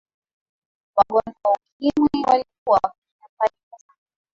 wagonjwa wa ukimwi walikuwa wakinyanyapaliwa sana